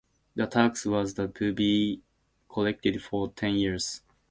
The tax was to be collected for ten years.